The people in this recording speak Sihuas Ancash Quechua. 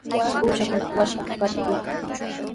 Uushankunata wasinpa qatikuykan.